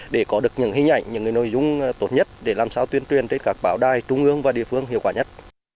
để có được những hình ảnh những nội dung tốt nhất để làm sao tuyên truyền trên các báo đài trung ương và địa phương hiệu quả nhất